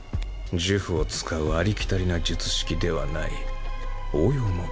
呪符を使うありきたりな術式ではない。